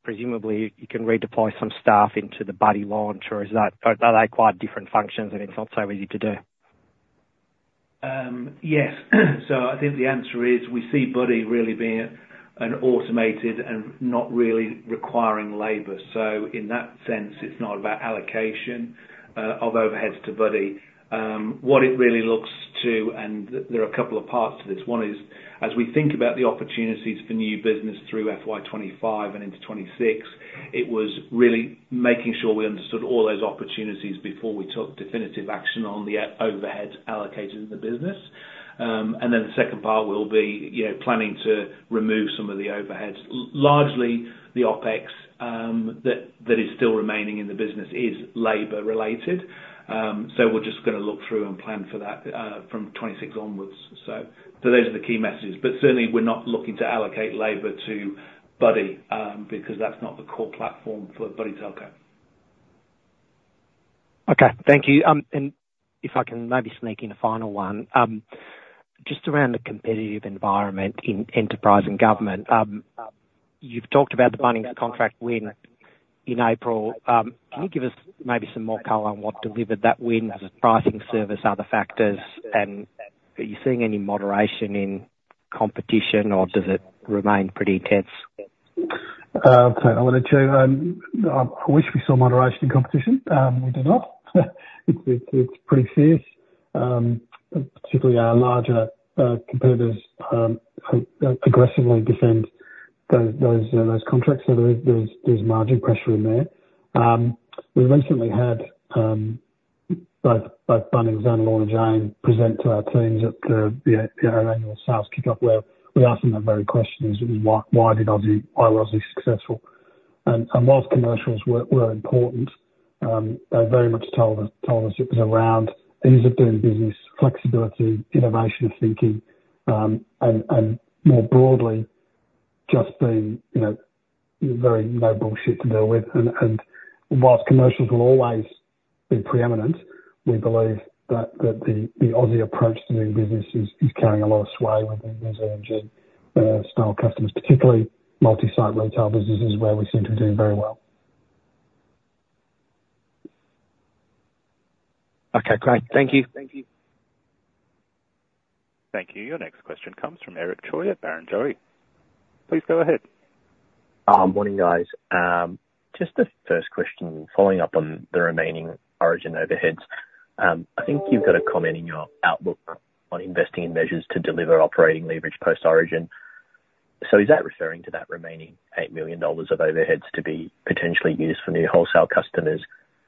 Presumably, you can redeploy some staff into the Buddy launch, or is that... Are they quite different functions and it's not so easy to do? Yes. So I think the answer is we see Buddy really being an automated and not really requiring labor. So in that sense, it's not about allocation of overheads to Buddy. What it really looks to, and there are a couple of parts to this. One is, as we think about the opportunities for new business through FY 2025 and into 2026, it was really making sure we understood all those opportunities before we took definitive action on the overheads allocated in the business. And then the second part will be, you know, planning to remove some of the overheads. Largely, the OpEx that is still remaining in the business is labor-related. So we're just gonna look through and plan for that from 2026 onwards. So, so those are the key messages, but certainly we're not looking to allocate labor to Buddy, because that's not the core platform for Buddy Telco. Okay, thank you, and if I can maybe sneak in a final one. Just around the competitive environment in enterprise and government, you've talked about the Bunnings contract win in April. Can you give us maybe some more color on what delivered that win? Was it pricing, service, other factors, and are you seeing any moderation in competition, or does it remain pretty tense? Okay. I want to check. I wish we saw moderation in competition. We do not. It's pretty fierce, particularly our larger competitors aggressively defend those contracts. So there is margin pressure in there. We recently had both Bunnings and Lorna Jane present to our teams at our annual sales kick-off, where we asked them that very question, why was Aussie successful? And whilst commercials were important, they very much told us it was around ease of doing business, flexibility, innovation thinking, and more broadly, just being, you know, very no bullshit to deal with. While commercials will always be preeminent, we believe that the Aussie approach to doing business is carrying a lot of sway with these energy-style customers, particularly multi-site retail businesses, where we seem to do very well. Okay, great. Thank you. Thank you. Thank you. Your next question comes from Eric Choi at Barrenjoey. Please go ahead. Morning, guys. Just a first question, following up on the remaining Origin overheads. I think you've got a comment in your outlook on investing in measures to deliver operating leverage post Origin. So is that referring to that remaining 8 million dollars of overheads to be potentially used for new wholesale customers?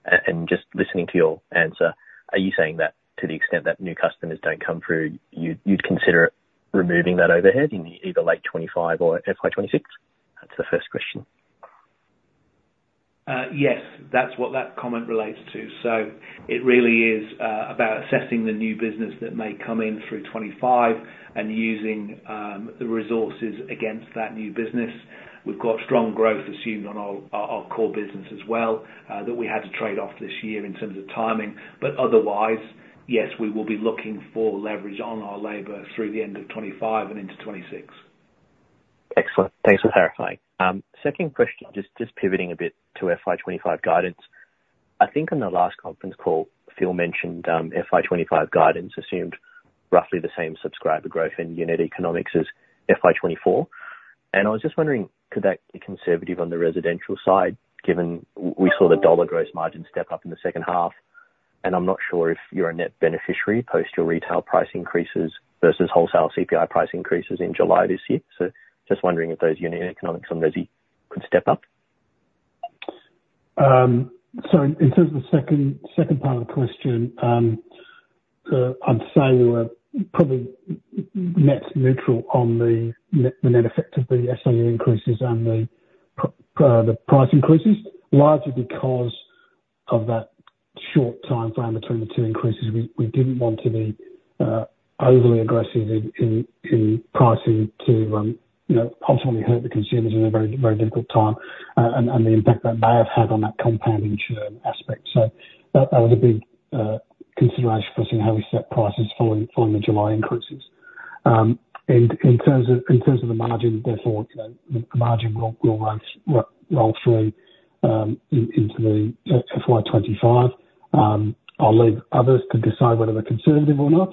And just listening to your answer, are you saying that to the extent that new customers don't come through, you'd consider removing that overhead in either late 2025 or FY 2026? That's the first question. Yes, that's what that comment relates to. So it really is about assessing the new business that may come in through 2025 and using the resources against that new business. We've got strong growth assumed on our core business as well that we had to trade off this year in terms of timing. But otherwise, yes, we will be looking for leverage on our labor through the end of 2025 and into 2026. Excellent. Thanks for clarifying. Second question, just pivoting a bit to FY 2025 guidance. I think on the last conference call, Phil mentioned FY 2025 guidance assumed roughly the same subscriber growth in unit economics as FY 2024, and I was just wondering, could that be conservative on the residential side, given we saw the dollar gross margin step up in the second half, and I'm not sure if you're a net beneficiary post your retail price increases versus wholesale CPI price increases in July this year, so just wondering if those unit economics on resi could step up. So in terms of the second part of the question, I'd say we're probably net neutral on the net effect of the SLA increases and the price increases, largely because of that short time frame between the two increases. We didn't want to be overly aggressive in pricing to, you know, possibly hurt the consumers in a very difficult time, and the impact that may have had on that compounding term aspect. So that was a big consideration for us in how we set prices following the July increases. And in terms of the margin, therefore, you know, the margin will roll through into the FY 2025. I'll leave others to decide whether they're conservative or not.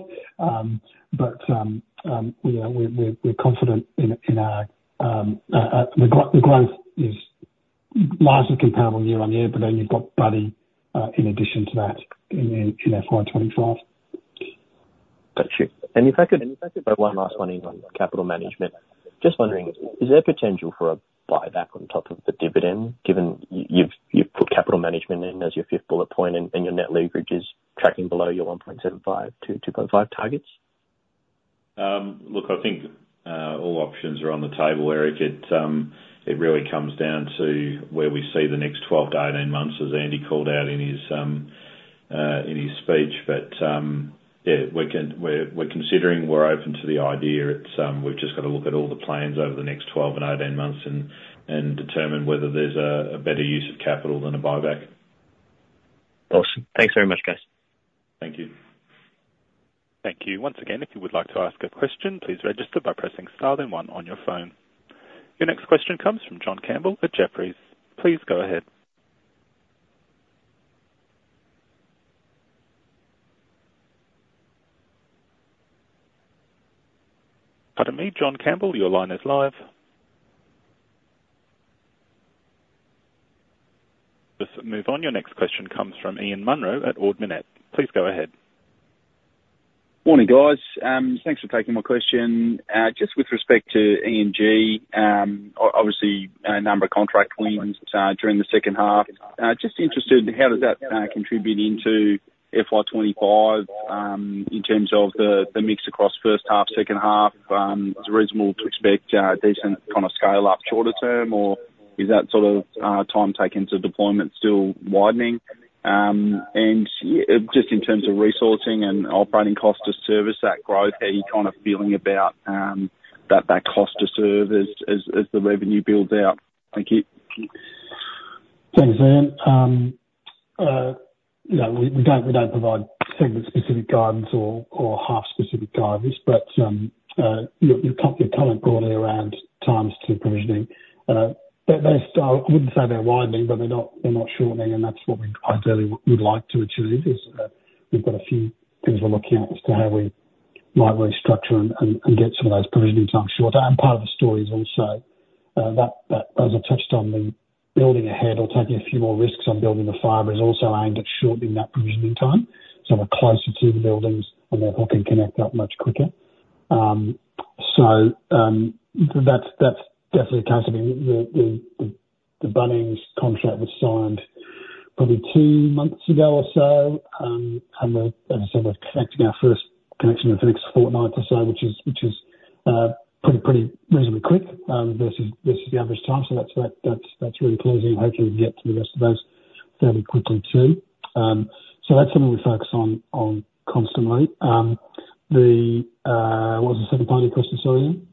But you know, we're confident in our growth is largely compoundable year on year, but then you've got Buddy in addition to that in FY 2025. Got you. And if I could throw one last one in on capital management. Just wondering, is there potential for a buyback on top of the dividend, given you've put capital management in as your fifth bullet point, and your net leverage is tracking below your one point seven five to two point five targets? Look, I think all options are on the table, Eric. It really comes down to where we see the next twelve to eighteen months, as Andy called out in his speech. But yeah, we're considering, we're open to the idea. It's, we've just got to look at all the plans over the next twelve and eighteen months and determine whether there's a better use of capital than a buyback. Awesome. Thanks very much, guys. Thank you. Thank you. Once again, if you would like to ask a question, please register by pressing star then one on your phone. Your next question comes from John Campbell at Jefferies. Please go ahead. Pardon me, John Campbell, your line is live. Let's move on. Your next question comes from Ian Munro at Ord Minnett. Please go ahead. Morning, guys. Thanks for taking my question. Just with respect to E&G, obviously, a number of contract wins during the second half. Just interested, how does that contribute into FY 2025, in terms of the, the mix across first half, second half? Is it reasonable to expect, a decent kind of scale up shorter term, or is that sort of, time taken to deployment still widening? And just in terms of resourcing and operating costs to service that growth, how are you kind of feeling about, that, that cost to serve as, as, the revenue builds out? Thank you. Thanks, Ian. You know, we don't provide segment-specific guidance or half-specific guidance, but your comment broadly around times to provisioning, but they're still. I wouldn't say they're widening, but they're not shortening, and that's what we ideally would like to achieve. We've got a few things we're looking at as to how we might restructure and get some of those provisions I'm sure. And part of the story is also that, as I touched on, the building ahead or taking a few more risks on building the fiber is also aimed at shortening that provisioning time. So we're closer to the buildings, and therefore can connect up much quicker. So that's definitely the case. I mean, the Bunnings contract was signed probably two months ago or so. And we're, as I said, we're connecting our first connection in the next fortnight or so, which is pretty reasonably quick versus the average time. So that's really pleasing. Hopefully we can get to the rest of those fairly quickly too. So that's something we focus on constantly. What was the second part of your question, sorry again?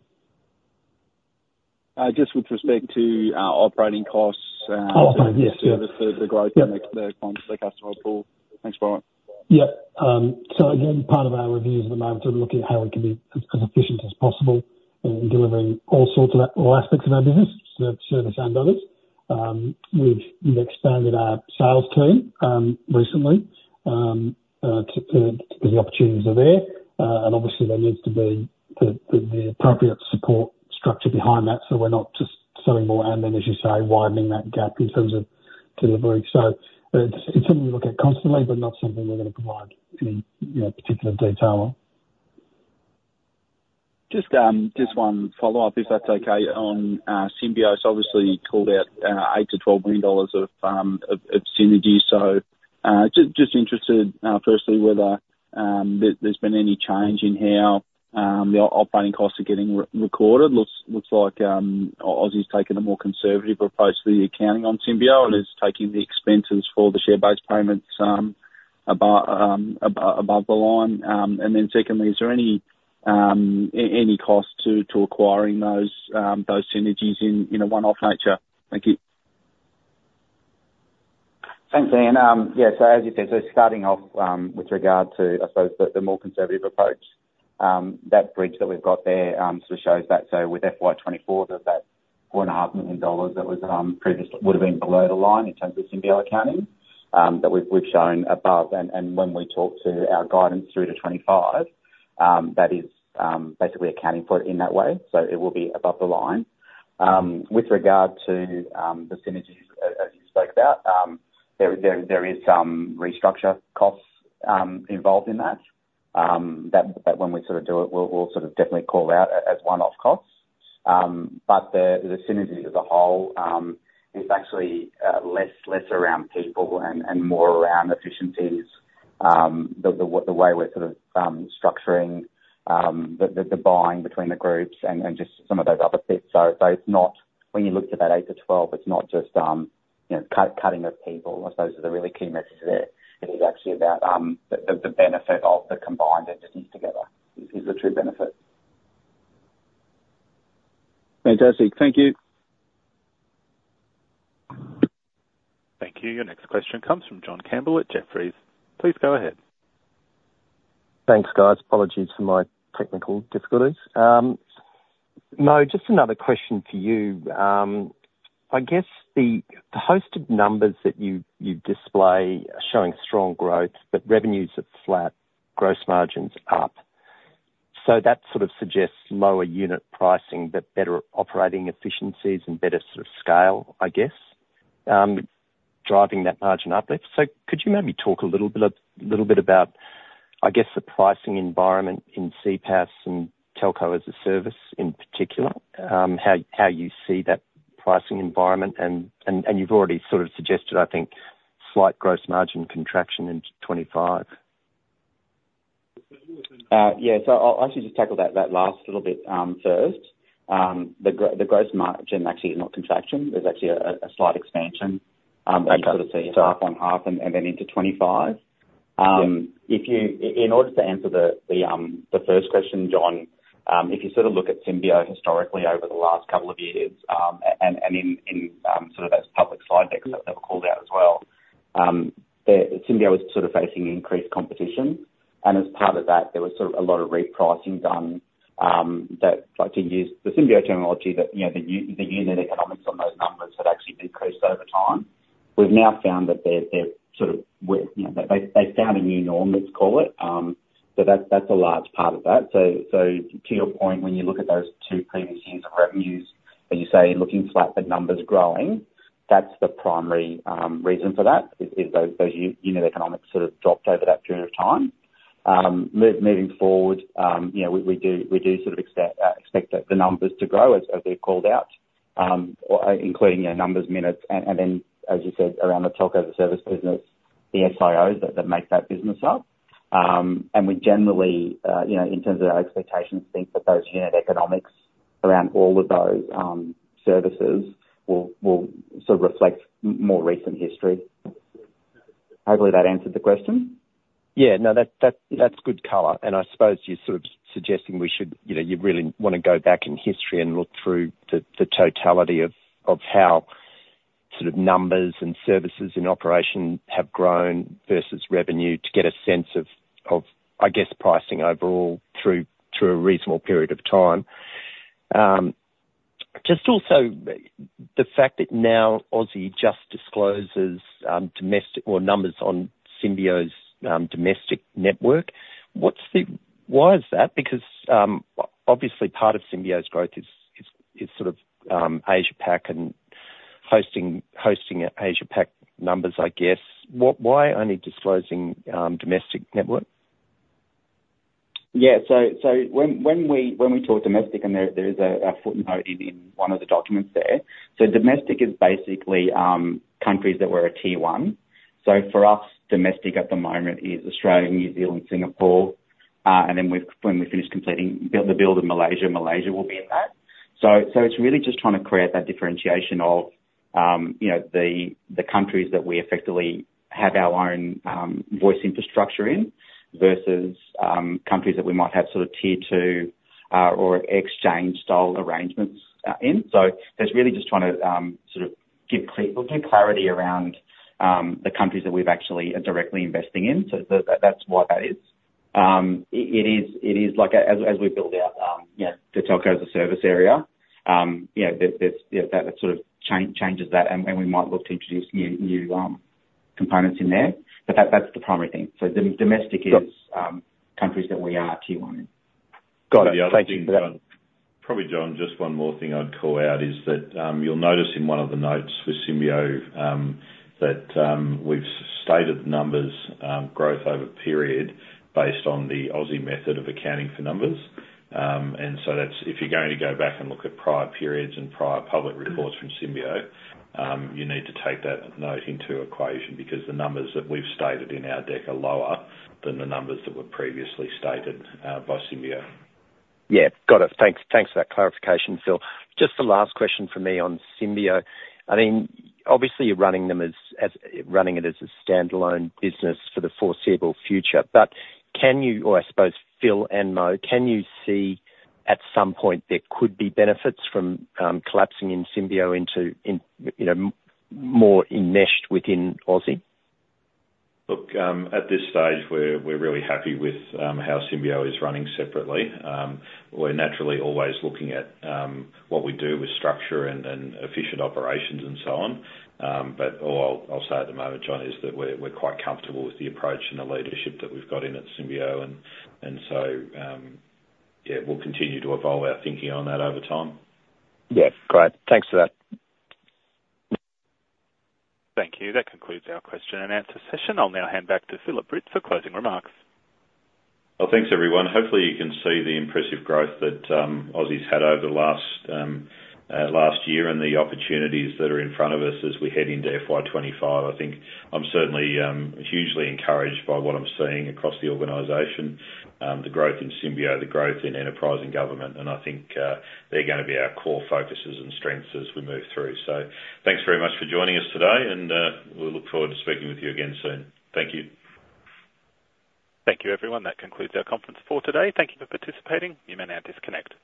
Just with respect to operating costs. Operating, yes. The growth in the customer pool. Thanks, Brian. Yep. So again, part of our reviews at the moment are looking at how we can be as efficient as possible in delivering all aspects of our business, so service and others. We've expanded our sales team recently to the opportunities are there. And obviously there needs to be the appropriate support structure behind that, so we're not just selling more and then, as you say, widening that gap in terms of delivery. So it's something we look at constantly, but not something we're going to provide any, you know, particular detail on. Just, just one follow-up, if that's okay. On Symbio's obviously called out 8-12 million dollars of synergies. So, just interested, firstly, whether there's been any change in how the operating costs are getting re-recorded. Looks like Aussie's taking a more conservative approach to the accounting on Symbio, and is taking the expenses for the share-based payments above the line. And then secondly, is there any cost to acquiring those synergies in a one-off nature? Thank you. Thanks, Ian. Yeah, so as you said, so starting off with regard to, I suppose, the more conservative approach, that bridge that we've got there sort of shows that. So with FY 2024, that's 4.5 million dollars that was previously would've been below the line in terms of Symbio accounting that we've shown above. And when we talk to our guidance through to 2025, that is basically accounting for it in that way, so it will be above the line. With regard to the synergies, as you spoke about, there is some restructure costs involved in that. That but when we sort of do it, we'll sort of definitely call out as one-off costs. But the synergies as a whole is actually less around people and more around efficiencies. The way we're sort of structuring the buying between the groups and just some of those other bits. So it's not, when you look to that 8-12, it's not just, you know, cutting of people. I suppose are the really key messages there. It is actually about the benefit of the combined entities together is the true benefit. Fantastic. Thank you. Thank you. Your next question comes from John Campbell at Jefferies. Please go ahead. Thanks, guys. Apologies for my technical difficulties. Mo, just another question for you. I guess the hosted numbers that you display are showing strong growth, but revenues are flat, gross margins up. So that sort of suggests lower unit pricing, but better operating efficiencies and better sort of scale, I guess, driving that margin uplift. So could you maybe talk a little bit about, I guess, the pricing environment in CPaaS and Telco as a Service, in particular, how you see that pricing environment? And you've already sort of suggested, I think, slight gross margin contraction into 2025. Yes. So I'll actually just tackle that last little bit first. The gross margin actually is not contraction. There's actually a slight expansion- Okay. As you sort of see it up on half and then into 2025. Yeah. In order to answer the first question, John, if you sort of look at Symbio historically over the last couple of years, and in sort of those public slide decks that called out as well, Symbio is sort of facing increased competition, and as part of that, there was sort of a lot of repricing done, that like, to use the Symbio terminology, you know, the unit economics on those numbers had actually decreased over time. We've now found that they're sort of, you know, they found a new norm, let's call it. So that's a large part of that. So, to your point, when you look at those two previous years of revenues, and you say looking flat, the numbers growing, that's the primary reason for that, is those unit economics sort of dropped over that period of time. Moving forward, you know, we do sort of expect the numbers to grow as they're called out, including, you know, numbers, minutes, and then, as you said, around the telco service business, the SIOs that make that business up. And we generally, you know, in terms of our expectations, think that those unit economics around all of those services will sort of reflect more recent history. Hopefully, that answered the question? Yeah. No, that, that's good color. And I suppose you're sort of suggesting we should, you know, you really wanna go back in history and look through the totality of how sort of numbers and services in operation have grown versus revenue, to get a sense of, I guess, pricing overall through a reasonable period of time. Just also, the fact that now Aussie just discloses domestic SIO numbers on Symbio's domestic network. What's the-- Why is that? Because obviously, part of Symbio's growth is sort of Asia Pac and hosting Asia Pac numbers, I guess. Why only disclosing domestic network? Yeah. So when we talk domestic, and there is a footnote in one of the documents there. So domestic is basically countries that we're a Tier 1. So for us, domestic at the moment is Australia, New Zealand, Singapore, and then when we finish completing the build of Malaysia, Malaysia will be in that. So it's really just trying to create that differentiation of, you know, the countries that we effectively have our own voice infrastructure in, versus countries that we might have sort of Tier 2 or exchange-style arrangements in. So there's really just trying to sort of give clarity around the countries that we've actually are directly investing in. So that's what that is. It is like, as we build out, you know, the Telco as a Service area. You know, there's, you know, that sort of changes that, and we might look to introduce new components in there. But that's the primary thing. So domestic is- Got- Countries that we are Tier 1 in. Got it. Thank you for that. Probably, John, just one more thing I'd call out is that, you'll notice in one of the notes for Symbio, that, we've stated numbers, growth over period based on the Aussie method of accounting for numbers. And so that's if you're going to go back and look at prior periods and prior public reports from Symbio, you need to take that note into the equation, because the numbers that we've stated in our deck are lower than the numbers that were previously stated, by Symbio. Yeah. Got it. Thanks, thanks for that clarification, Phil. Just the last question from me on Symbio. I mean, obviously you're running it as a standalone business for the foreseeable future, but can you, or I suppose Phil and Mo, can you see at some point there could be benefits from collapsing Symbio into, you know, more enmeshed within Aussie? Look, at this stage, we're really happy with how Symbio is running separately. We're naturally always looking at what we do with structure and efficient operations and so on. But all I'll say at the moment, John, is that we're quite comfortable with the approach and the leadership that we've got in at Symbio. And so, yeah, we'll continue to evolve our thinking on that over time. Yeah. Great. Thanks for that. Thank you. That concludes our question and answer session. I'll now hand back to Philip Britt for closing remarks. Thanks, everyone. Hopefully, you can see the impressive growth that Aussie's had over the last year, and the opportunities that are in front of us as we head into FY 2025. I think I'm certainly hugely encouraged by what I'm seeing across the organization. The growth in Symbio, the growth in enterprise and government, and I think they're gonna be our core focuses and strengths as we move through. Thanks very much for joining us today, and we'll look forward to speaking with you again soon. Thank you. Thank you, everyone. That concludes our conference for today. Thank you for participating. You may now disconnect.